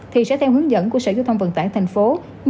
thì sẽ theo hướng dẫn của sở giao thông vận tải thành phố